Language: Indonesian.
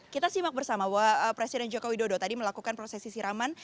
kita simak bersama bahwa presiden joko widodo tadi melakukan prosesi siraman